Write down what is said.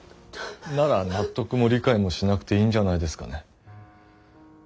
なら納得も理解もしなくていいんじゃないですかね。